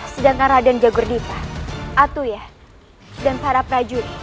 sedangkan raden jagurdipa atuya dan para prajurit